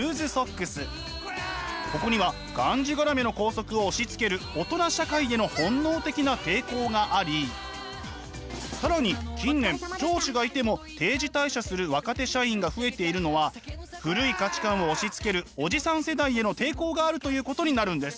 ここにはがんじがらめの校則を押しつける大人社会への本能的な抵抗があり更に近年上司がいても定時退社する若手社員が増えているのは古い価値観を押しつけるおじさん世代への抵抗があるということになるんです。